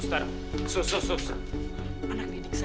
jangan lakukan ini bu